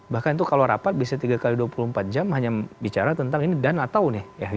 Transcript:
bahkan itu kalau rapat bisa tiga x dua puluh empat jam hanya bicara tentang ini dan atau nih